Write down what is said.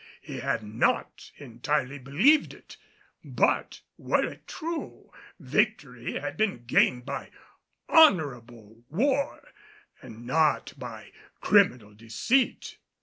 He had not entirely believed it; but, were it true, victory had been gained by honorable war and not by criminal deceit.